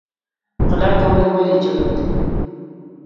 غلا کول ولې جرم دی؟